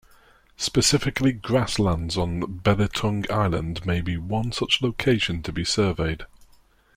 Specifically grasslands on Belitung Island may be one such location to be surveyed.